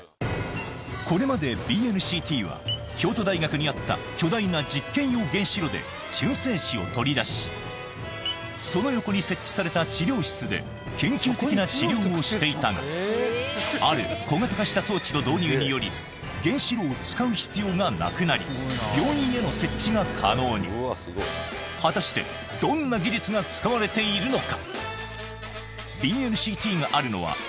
これまでＢＮＣＴは京都大学にあった巨大な実験用原子炉で中性子を取り出しその横に設置された治療室で研究的な治療をしていたが原子炉を使う必要がなくなり果たしてどんな技術が使われているのか？